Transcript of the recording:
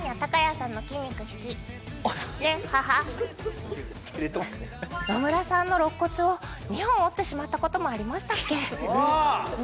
そうねっはは野村さんのろっ骨を２本折ってしまったこともありましたっけ？